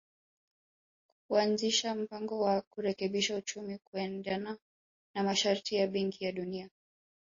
kuanzisha mpango wa kurekebisha uchumi kuendana na masharti ya Benki ya Dunia